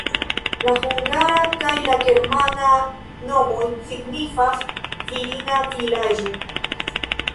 La hungara kaj la germana nomoj signifas "virina vilaĝo".